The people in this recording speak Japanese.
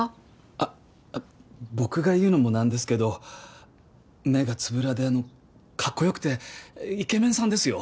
あっ僕が言うのもなんですけど目がつぶらでかっこよくてイケメンさんですよ。